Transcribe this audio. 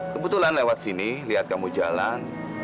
kebetulan lewat sini lihat kamu jalan